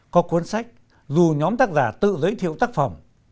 có cuốn sách dù nhóm tác giả tự giới thiệu tác phẩm